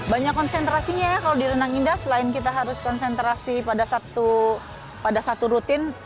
banyak konsentrasinya ya kalau di renang indah selain kita harus konsentrasi pada satu rutin